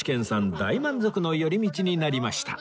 大満足の寄り道になりました